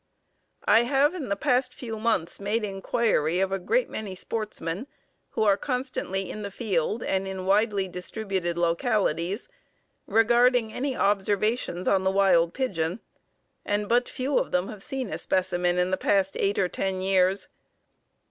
I have, in the past few months, made inquiry of a great many sportsmen who are constantly in the field and in widely distributed localities, regarding any observations on the wild pigeon, and but few of them have seen a specimen in the past eight or ten years.